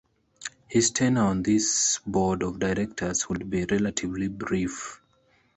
His tenure on this board of directors would be relatively brief.